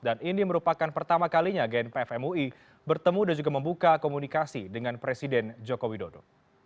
dan ini merupakan pertama kalinya genpfmui bertemu dan juga membuka komunikasi dengan presiden jokowi dodo